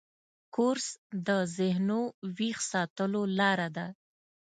کورس د ذهنو ویښ ساتلو لاره ده.